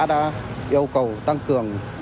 đã yêu cầu tăng cường